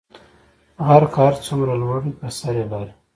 غر څه هر څومره لوړ وی په سر ئي لاره وی